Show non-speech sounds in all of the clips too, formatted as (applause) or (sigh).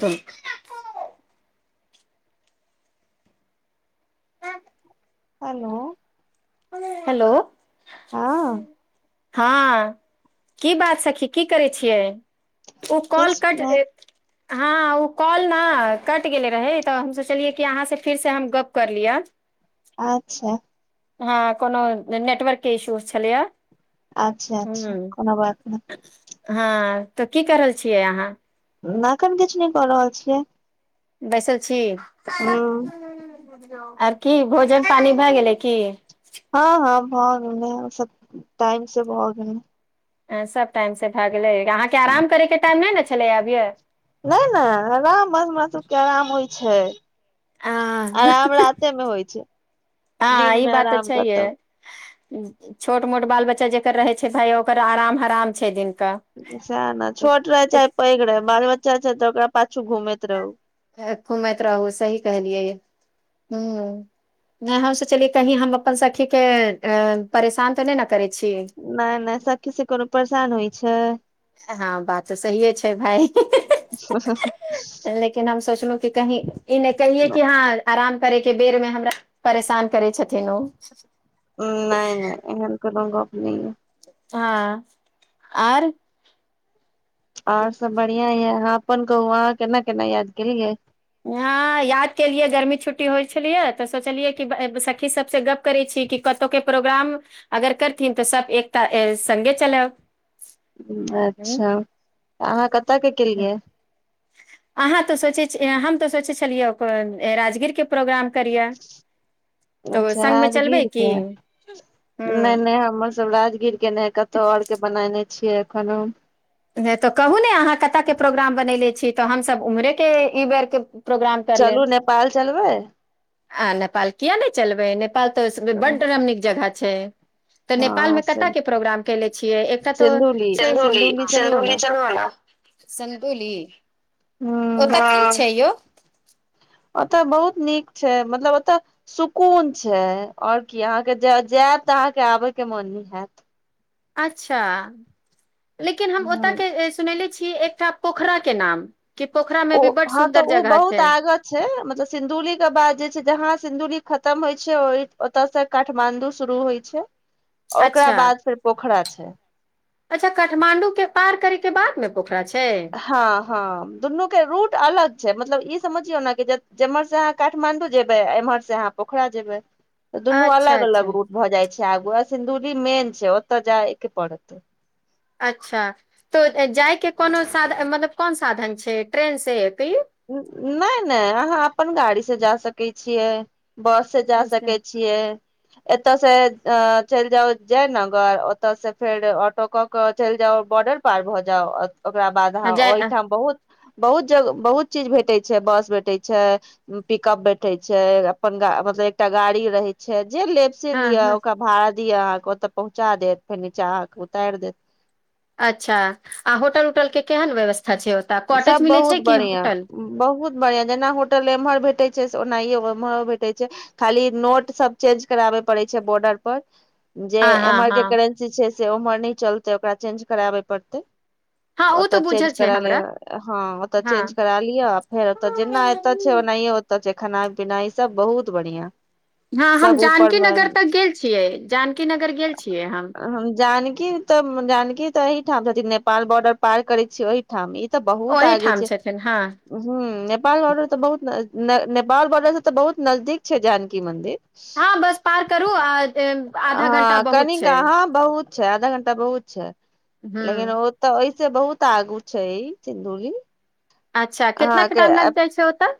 तल hello hello हँ हँ की बात सखी की करै छियै ओ कॉल किछु कट नहि हँ ओ कॉल ने कटि गेले रहै तऽ हम सोचलियै कि अहाँसँ फिरसँ हम गप्प कर लियअ अच्छा हँ कोनो नेटवर्क के इश्यू छलैय अच्छा अच्छा कोनो बात नहि हँ तऽ की कर रहल छियै अहाँ एखन किछु नहि कर रहल छियै बैसल छी हूँ (unintelligible) आर की भोजन पानी भए गेलै की हँ हँ भ गेलै सब टाइम से भो गेलै अ सब टाइम से भए गेलै यहाँ के आराम करे के टाइम नहि ने छललै अभिय नहि नहि आराम बस हमरा सबके आराम होइ छै हँ आराम राातेमे होइ छै हँ ई दिनमे बात तऽ आराम छैहे कतहु छोट मोट बाल बच्चा जेकर रहे छै भााय ओकर आराम हराम छै दिन स ने छोट रहै चाहे पैघ रह बाल बच्च अच्छा अच्छा तगड़ाछू घूमेैत रहू घुमैत रहू सही कहलियै ह नहि हम सोचलियै कही हम अपन सखी के अ परेशान तऽ नहि ने करै छी नहि नहि सकीसी कोनो परेशान होइ छै छै हँ बात तऽ सहिए छै भाय लेकिन हम सोचलहु कि कही इ कहिये किी हँ आराम करैके बेरमे हमरा परेशान करै छथिन ओ नहि नहि एहन कोनो गप नहि य हँ आर आऔर सब बढ़ििया यए हह अपन कहू अहाँ केना केना याद केलियै हँ याद केलियै गर्मी छुट्टी होइ छलियै तऽ सोचलियै कि सखी सभसँ गप्प करैत छी कि कतहुके प्रोग्राम अगर करथिन तऽ सभ एकता सङ्गे चलब हूँ। अच्छाऽ अहाँ कतयके केलियै अहाँ तऽ सोचै छी हम तऽ सोचै छलियै राजगीर के प्रोग्राम करियै तऽ अच्छा सङ्गमे चलबै राजगीर की के नहि हूँ। नहि हमर सब राजगी के नहि कतौ आओर के बनायने छ एखनहु तऽ कहू ने अहाँ कत के प्रोग्राम बनले छी तऽ हमस उमरे के ई बेर के प्रोग्राम कर लेब। चलू नेपाल चलबै आ नेपाल किया नहि चलबै प त चलू, बडरम नीक जगह छै तऽ हँ नेपालमे कत से के प्रोग्राम कले छियै एकटा तो सिन्धुली सिन्धुली चलबै सुल ने चल सन्दोली ओ की ह छै अइयौ ओतय बहुत नीक छै मतलब ओतय सुकून छै आओर की अहाँके जायत तऽ अहाँके आबयके मोन नहि होत अच्छा लेकिन हम ओतय ह के सुननेे छी एकटा पोखरा के नाम कि पोखरा मे ओ भी बड हँ तऽ सुन्दर ओ जगह बहुत छै आगत छै मतलब सिन्दुली के बाद जे छै जहाँ सिधुली खतम होइ छै ओतऽ से काठमा्डू शुरू होइ छै ओकरा अच्छा बाद फेर पोखरा छै त करै के बादमे पोखरा छ छी हँ हँ दुनू के रूट अलग मतलब ई समझियौ ने कि जेम्हर से अहाँ काठमाण्डू जेबै आ एम्हर से अहाँ पोखरा जेबै तऽ दुनू अच्छा अलग अलग अच्छा रूट भऽ जाइ छै गुआ सिन्दूरी मेन छै ओतऽ जायके पड़तत अच्छा तो जायके कोनो साधन मतलब कोन साधन छै ट्रेन से क नहि नहि अहाँ अपन गाड़ीसँ जा सकैत छियै बस से जा सकै हँ छियै एतऽ से अ चलि जाउ जयनगर ओतऽ से फेर ऑटोक के चलि जाउ बॉर्डर पार भऽ जाउ ओकरा बाद जाय ओहिठाम बहुत बहुत ज बहुत चीज भेटे छै बस भेटे छै पिकअप भेटे छै अपन गा मतलब एकटा गाड़ी रहे छै जे लेप से हँ लिअ हँ ओकर भात द अहाँके ओतऽ पहुँचा देत फेर नीचा अहाँके उतारि देत अच्छा आ होटल उटल के केहन व्यवस्था छै ओतय कॉटेज सब मिलै छै बहुत कि बढ़िआ होटल बहुत बढ़ियां जेना होटल एम्हर भेटे छै ओनाहिो ओम्हरो भेटे छै खाली नोट सब चेंज कराबे पड़े छै बॉर्डर पर जे हँ हँ एम आर हँ के करेन्सी छै से उमर नहि चलतै ओकरा चेंज कराबे पड़तै हँ ओ तऽ बुझै छै हमरा हँ ओतय चेंज करा लियअ फेर ओत जेना एतऽ छै ओनाहिय सब छै खेनाइ पीनाइ सब बहुत बढ़िआं हँ हम जानकी नगर तक गेल छियै जानकी नगर गेल छियै हम जानकी तऽ जानकी तऽ एहिहिठाम नेपाल बॉर्डर पार करै छीिय ओहिठाम तऽ बहुत आगे ओहीठाम छै छथिन हँ ह नेपाल बॉर्डर तऽ बहुत नेपाल बॉर्डर से तऽ बहुत नजदीक छै जानकी मंदिर हँ बस पार करू आधा घं्टा हँ बहुत कनिक छै अहाँ बहुत छै आधा घंटा बहुत छै लेकिन ह ओ तऽ ओहि से बहुत आगू छै चिन्दूली अच्छा केितना के टाइम लागि जाइ छै ओतऽ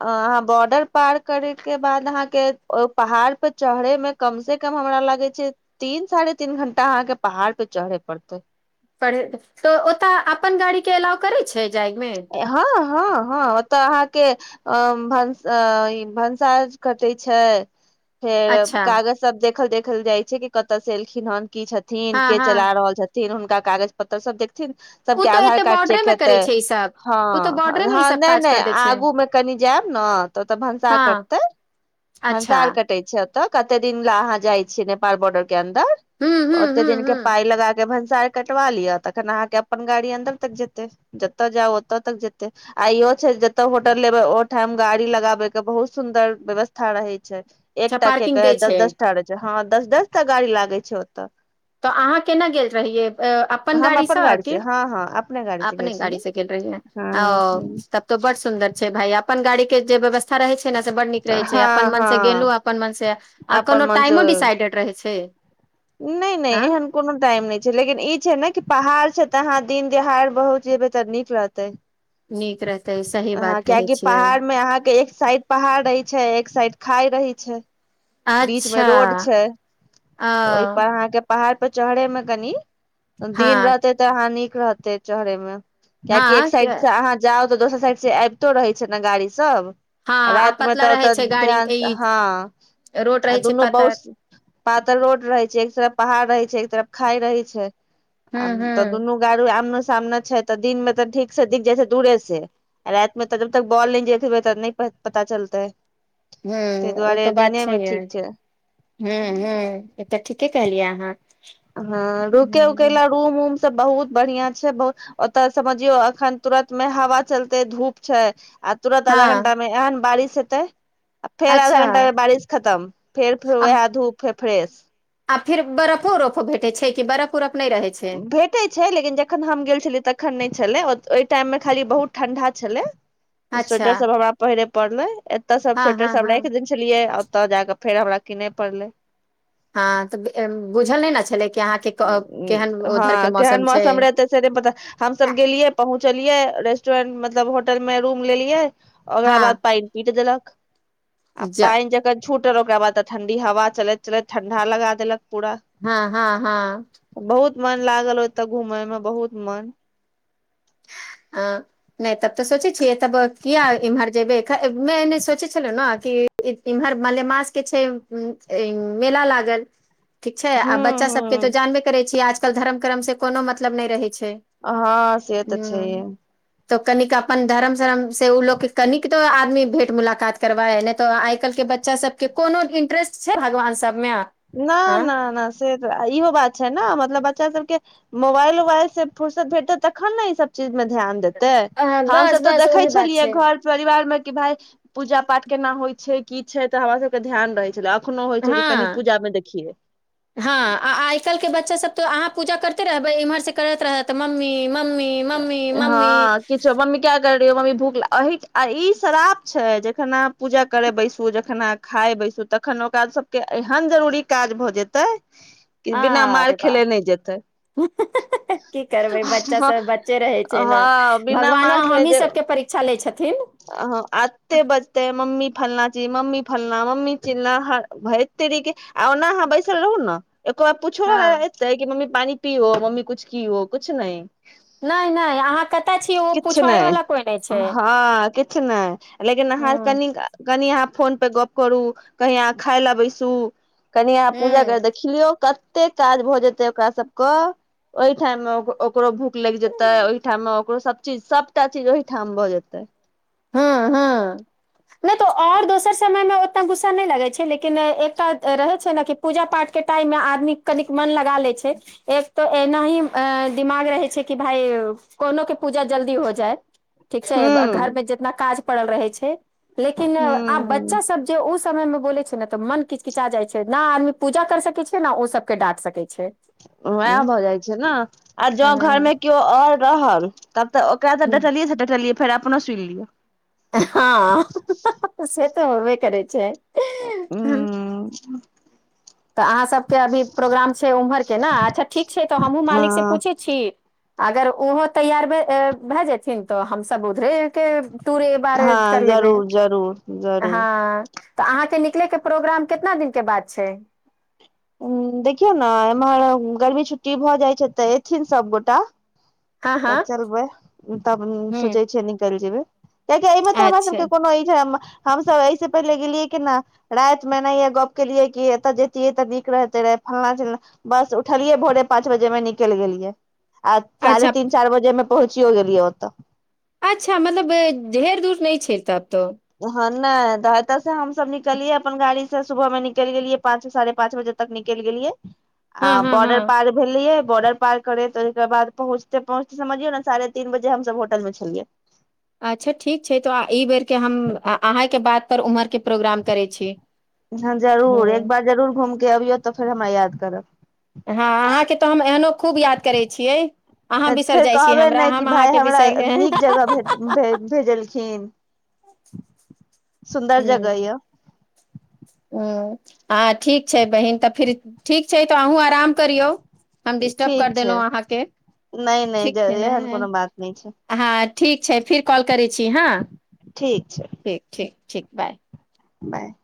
अ अहाँ बॉर्डर पार करयके बाद अहाँके ओ पहाड़ पे चढ़ेमे कम से कम हमरा लागै छै तीन साढ़े तीन घं्टा अहाँके पहाड़ पे चढ़य पड़तै पढ़ तऽ ओतऽ अपन गाड़ी के एलाव करै छै जायकमे हँ हँ हँ ओतऽ अहाँके अ भनस भनसार कटै छै फेर अच्छा कागज सब देखल देख देखल जाइ छै कि कतऽ से एलखिन हेन की छथिन हँ के हँ चला रहल छथिन हुनका कागज पत्र सब देख न ओ सबके तऽ आधार एते कार्ड बॉर्डरे चेक मे हेतै करै छै ई सब ओ तऽ हँ बॉर्डरे मे ई हँ सब नहि काज नहि कर दै छै आगू मे कनि जायब ने तऽ ओतऽ भनसा हँ कटतै अच्छा भनसा कटैत छै तऽ कते दिन ल अहाँ जाइ छीिय नेपाल बोर्डर के अन्दर हूँ हूँ ओते हूँ दिन के हूँ पाइ लगा के भ कटवा लिअ तखन अहाँके अपन गाड़ी अन्दर तक जेते जतऽ जाउ ओत तक जेते आ इो छै जते होटल लेबे ओ टाइम गाड़ी लगाबे के बहुत सुंन्दर व्यवस्था रहे छै अच्छा एकटा के पार्किंग कह दै दस छै दस टा रहे छै हँ दस दस टा गाड़ी लागे छै ओतऽ तऽ अहाँ केना गेल रहियै अपन हम गाड़ीसँ गाड़ी अथिी से हँ हँ अपने गाड़ी छै गेलेर छी ओ तब तो बड सुन्दर छै भााय अपन गाड़ी के जे व्यवस्था रहे छै ने से बड नीक रहे छै अपन हँ मन से गेलु हँ अपन मन से आ अपन कोनो मसू टाइमो डिसाइडेड रहै छै नहि नहि आ एहन कोनो टाइम नहि छै लेकिन ई छै ने कि पहाड़ छै तऽ अहाँ दिन देहाड़ बहुत जेबै तऽ नीक रहतै नीक रहतै सही ह बात कहै कियकि छियै पहाड़ मे अहाँके एक साइड पहाड़ छै एक साइड खााय रही छै बीच मे अच्छा रोड छै ओ ओहिप अहाँके पहाड़ पर चढ़ै मे कनि दिन हँ रहते ते हानि रहते है चेहरे मे कियकि एक हँ साइड अहाँ जाउ तऽ दोसर साइड से आबितो रहै छै ने गाड़ी सब हँ आ रातिमे पतला तऽ रहै तऽ छै गाड़ी ध्यान ई हँ रोड आ रहै छै दुनू पातर बहुत पातर रोड रहै छै एक तरफ पहाड़ रहै छै एक तरफ खााय रहे छै हूँ आ तऽ हूँ दुनू गारू आ सामने छै तऽ दिन मे तऽ ठीक से दिख जाइ छै दूरे से राति मे तऽ जब तक बॉल ल जेतबै तऽ नहि पता चलतै ह ताहि ओ दुआरे तो बात दिने मे छैह ठीक छै ह ह तऽ ठीके कहलियै अहाँ हँ रडुक उकेल रूम उऊम बहुत बढ़िया छै बत ओतऽ समझियौ अखन तुरत मे हवा चलते धूप छै आ तुरत आधा हँ घणटा मे एहन बारिश सत फेर अच्छा आधा घंटा मे बारिश खतम फेर फर आ वएह धूप फ फ्रेश आ फिर बफो ररफो भेटे छै कि बर्फ उरफ नहि रहै छै भेटैत छै लेकिन जखन हम गेल छलियै तखन नहि छलै ओहि टाइम मे खाली बहुत ठं्डा छलै अच्छा स्वेटर सब हमरा पहिरे पड़लै एतय सब हँ स्वेटर हँ सब हँ राख देने छलियै तऽ जा कऽ फेर हमरा किनय पड़लै हँ तऽ बुझल नहि ने छलै कि अहाँके केहन उधर के हँ केहन छै मौसम रहते सेे पता हमस गेलियै पहुँचलियै रेस्टोरेंट मत तब होटल में रूम लेलियै ओकरा बाद हँ पानि पीट देलक आ जा पानि जकह झूठ ओकरा बाद त ठं्डी हवा चलैत चलैत ठं्ा ला देलक पूरा हँ हँ हँ बहुत मन लागल ओतऽ घुमय मे बहुत मन अ नहि तब तऽ सोचै छियै तब किया एम्हर जेबै सोचै छलहुँ ने कि इमहर मलेमासके छै मेला लागल ठीक छै आ हूं बच्चा सब के तो हूं जानबे करे छी आज आजकल धर्म क्रम से कोनो मतलब नहि रहै छै हँ सेहत अ् छै ह ही तऽ कनिक अपन धर्म शर्म से ओ लोक कनिक तो आदमी भेंट मुलाकात करबा हइ नहि तऽ आइ काल्हि के बच्चा सबके कोनो इंटरेस्ट छै भगवान सभमे न नहि नहि से त इहो बात छै ने मतलब ब बच्चा सब के मोबाइल उोबाइल से फर्सत भेटतै तखन ने ई सब चीज मे ध्यान देतै ह हमस बस तऽ बस देखै ओहे बात छलियै छै घर परिवार मे भाय पूजा पाठ केना होइ छै की छै तऽ हमरा सबके ध्यान रहै छलै कखनो होइ छै कि कनि पूजा मे देखियै बच रहे इम्हर से करैत रहै तऽ मम्मी मम्मी मम्मी मम्मी हँ किछु मम्मी क्या कर रही हो मम्मी भूख अह आ ई शराप छै जे जखना पूजा करे बैसू जखना खाय बैसू तखन ओकरा सबके एहन जरूरी काज भ जेतै कि बिना मार आे बाह खेले नहि जेतै की करबै बच्चा हँ सब रहै छै ने हँ बिना भगवानो मार खेले हमही दे सबके परीक्षा लै छथिन एते बचते मम्मी फलना जी मम्मी फलना मम्मी चिलना भ तेर के आ ओना अहाँ बैसल रहु ने एको बाप हँ पूछोै छैै कि मम्मी पानि पी हो मम्मी कुछ की हो कु नहि नहि नहि अहाँ कतय छीियै ओ किछु पुछबाबैवला कोइ नहि छै छै नहि लेकिन अहाँ हूँ कनि कनी अहाँ फोन पे गप करू कही अहाँ खााय लए बैसू कनि यहाँ पूजा कर हूँ देख लियो कते काज भ जेते ओकरा सब के ओहि टाइम मे ओकरो भूख लागि जेते तऽ ओहिठाम मे ओकरो सब चीज सबटा चीज ओहिठाम भऽ जेतै ह्म हँ नहि तऽ आओर दोसर समयमे ओतना गुस्सा नहि लगै छै लेकिन एकटा रहै छै ने कि पूजा पाठके टाइममे आदमी कनिक मन लगा लै छै एक तऽ एना ही दिमाग रहै छै कि भाय कोनोके पूजा जल्दी हो जाय ठीक छै हूँ घरमे जे काज पड़ल रहै छै लेकिन आब हूँ बच्चा सब जे उस समय में बोले छै ने तऽ मन किच कििचा जाइ छै न आदमी पूज कर सकै छै न ओ सब के डाट सकै छै ह उएह भऽ जाइ छै ने आ जों हँ हँ घरमे केओ आओर रहल तब तऽ ओकरा त हँ टलियै से डटलियै फेर अपना सुन लिअ से तऽ हबे करै छैै ह तऽ अहाँसभके अभी प्रोग्राम छै उम्हरके ने अच्छा ठीक छै तऽ हमहूँ मालिकसँ पूछैत छी अगर ओहो तैयार भए जेथिन तऽ हमस उधरे के ूरे बार कर हँ लेबै जरूर जरूर जरूर हँ तऽ अहाँके निकले के प्रोग्राम केितना दिनक के बाद छै ह देखियौ ने एम्हर गर्मी छुट्टी भऽ जाइ छै तऽ एयथिन सभगोटा हँ हँ तऽ चलबै त हूँ सोचै छिय एनी कल जबै कि एहि ब तऽ हमरा अच्छा सभके कोनो ईठ हम सब एहिऐसे पहिले गेलियै कि न राति मै न यह गप्प किय कि एतऽ जेती तऽ न रहते रहे फल्ना चिल्ना बस उठलियै भोरे पाँच बजेमे निकलि गेलियै आ अच्छा साढ़े तीन चार बजे अ पहुँचियो गेल लिय ओ तऽ अच्छा मतलब ढेर दूर नहि छरताब तऽ हँ नहि तऽ एतऽ से हमसभ निकलियै अपन गाड़ी से सुबह मे निकलि गेलियै पाँच साढ़े पाँच बजे तक निकलि गेलियै आ हँ हँ बर्डर हँ पार भेल बॉर्डर पार करे त ओहिके बाद पहुँचते पहुँचते समझियौ ने साढ़े तीन बजे हमस होटल मे छलियै अच्छा ठीक छै तऽ ई बेरके हम अहाँके बात पर उम्हर के प्रोग्राम करै छी ह जरूर एक हूँ बार जरूर घुम अबियौ त फर हमरा याद करब हँ अहाँके तऽ हम एहनो खूब याद करैत छियै अहाँ बिसरि फेर जाइ छियै कहबै हमरा नहि हम कि भाय अहाँके हमरा बिसरि गेल। नीक जगहेे भेजलखिन सुन्दर जगह य ह्म्म हँ ठीक छै बहीन तऽ फेर ठीक छै तऽ अहूँ आराम करियौ हम डिस्टर्ब कर ठीक छै देलहुँ अहाँके नहि ठीक नहि छै ने एहन कोनो बात नहि छै अहाँ ठीक छै फिर कॉल करै छी हँ ठीक ठीक ठीक बाय बाय